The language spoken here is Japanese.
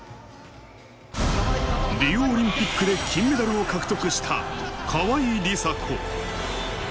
リオオリンピックで金メダルを獲得した川井梨紗子。